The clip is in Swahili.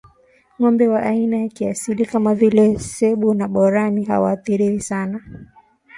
ng'ombe wa aina za kiasili kama vile Zebu na Boran hawaathiriwi sana